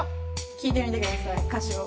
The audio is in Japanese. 聴いてみてください歌詞を。